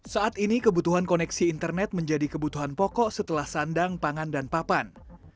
saat ini kebutuhan koneksi internet menjadi kebutuhan pokok setelah sandang pangan dan papan